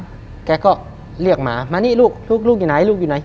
แกก็เรียกมามานี่ลูกลูกอยู่ไหนลูกอยู่ไหน